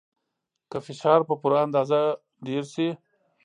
که فشار په پوره اندازه ډیر شي.